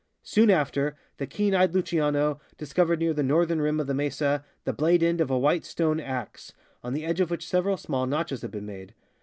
Soon after the keen e3^ed Luciano discovered near the northern rim of the mesa the blade end of a white stone ax, on the edge of which several small notches had been made.